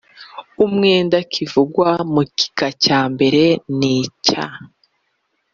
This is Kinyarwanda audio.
umwenda kivugwa mu gika cya mbere n icya